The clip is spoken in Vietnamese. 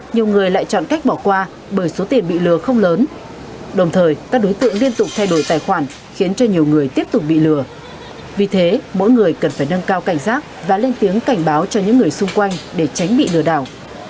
nhiều người lại chọn cách bỏ qua bởi số tiền bị lừa không lớn đồng thời các đối tượng liên tục thay đổi tài khoản khiến cho nhiều người tiếp tục bị lừa vì thế mỗi người cần phải nâng cao cảnh giác và lên tiếng cảnh báo cho những người xung quanh để tránh bị lừa đảo